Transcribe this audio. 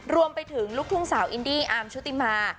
รวมไปถึงลูกทุ่งสาวอินดี้อาร์มชุติมา